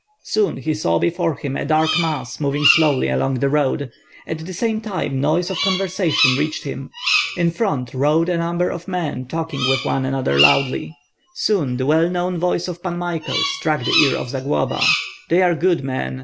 Soon he saw before him a dark mass moving slowly along the road; at the same time noise of conversation reached him. In front rode a number of men talking with one another loudly; soon the well known voice of Pan Michael struck the ear of Zagloba. "They are good men!